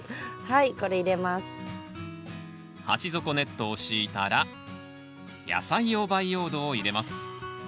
鉢底ネットを敷いたら野菜用培養土を入れます